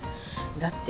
だって